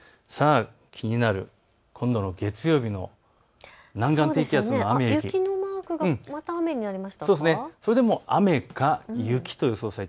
気になる今度の月曜日の南岸低気圧です。